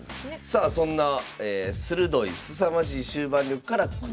さあそんな鋭いすさまじい終盤力からこちら。